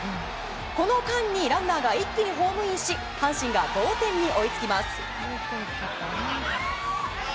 この間にランナーが一気にホームインし阪神が同点に追いつきます。